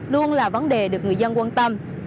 luôn là vấn đề được người dân quan tâm